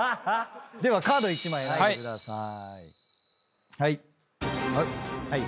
ではカード１枚選んでください。